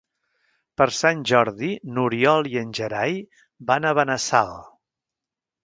Per Sant Jordi n'Oriol i en Gerai van a Benassal.